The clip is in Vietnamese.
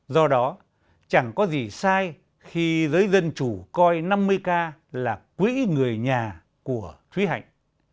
do đó chẳng có gì sai khi giới dân chủ coi năm mươi k là quỹ người nhà của thúy hạnh